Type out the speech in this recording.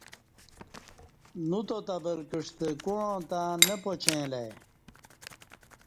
نوتات ابل کعستہ کوعاں تہ نہ پاچیں اہ لہ ای